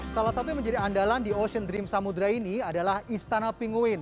salah satu yang menjadi andalan di ocean dream samudera ini adalah istana pinguin